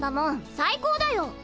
最高だよ。